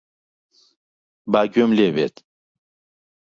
با گوێم لێ بێت.